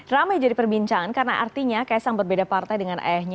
ramai jadi perbincangan karena artinya kaisang berbeda partai dengan ayahnya